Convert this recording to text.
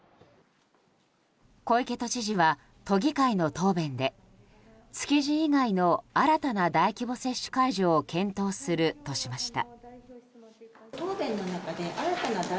小池都知事は都議会の答弁で築地以外の新たな大規模接種会場を検討するとしました。